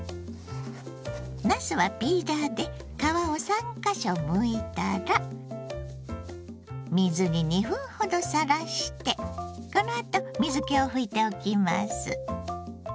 なすはピーラーで皮を３か所むいたら水に２分ほどさらしてこのあと水けを拭いておきます。